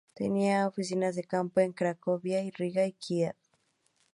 Tenía oficinas de campo en Cracovia, Riga y Kiev.